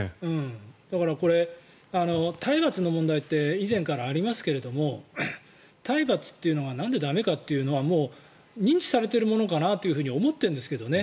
だからこれ、体罰の問題って以前からありますけれど体罰っていうのはなんで駄目かというのは認知されているものかなと思っているんですけどね。